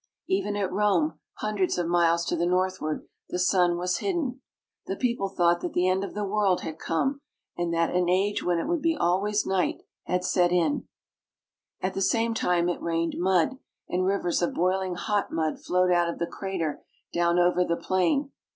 Even at Rome, hundreds of miles to the northward, the sun was NAPLES AND MOUNT VESUVIUS. 423 hidden. The people thought that the end of the world had come, and that an age when it would be always night had set in. At the same time it rained mud, and rivers of boiling hot mud flowed out of the crater down over the plain.